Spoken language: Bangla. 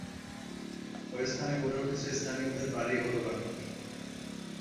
ঐ স্থানে গড়ে উঠেছে স্থানীয়দের বাড়ি ও দোকানপাট।